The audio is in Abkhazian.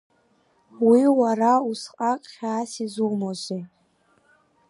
Уи, уара усҟак хьаас изумоузеи?!